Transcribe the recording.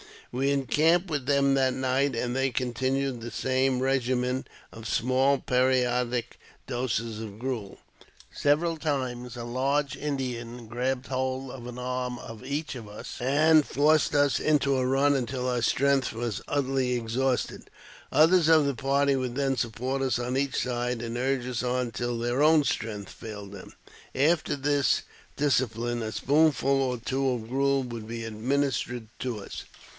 We encamped with them that night, and they continued the same regimen of small periodic doses of gruel. Several times a large Indian seized hold of an arm of each of us, and forced us into a run until our strength was utterly exhausted. Others of the party would then support us on each side, and urge us on till their own strength failed them. After this dis cipline, a spoonful or two of gruel would be administered to us.